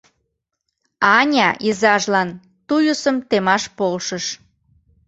Аня изажлан туйысым темаш полшыш.